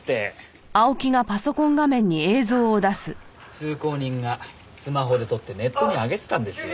通行人がスマホで撮ってネットに上げてたんですよ。